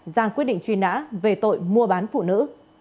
ra quyết định truy nã về tội mua bán phụ nữ